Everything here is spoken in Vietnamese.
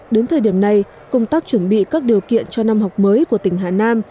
đến thời điểm này công tác chuẩn bị các điều kiện cho năm học mới của tỉnh hà nam